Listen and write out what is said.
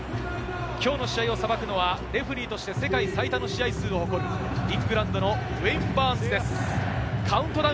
きょうの試合をさばくのはレフェリーとして世界最多の試合数を誇るイングランドのウェイン・バーンズです。